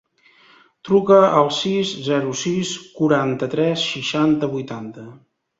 Truca al sis, zero, sis, quaranta-tres, seixanta, vuitanta.